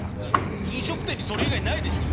飲食店にそれ以外ないでしょ。